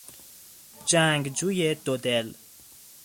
جنگجوی دودل